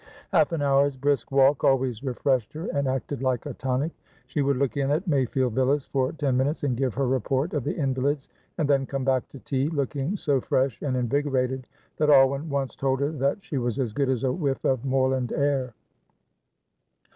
Half an hour's brisk walk always refreshed her and acted like a tonic. She would look in at Mayfield Villas for ten minutes and give her report of the invalids, and then come back to tea looking so fresh and invigorated that Alwyn once told her that she was as good as a whiff of moorland air.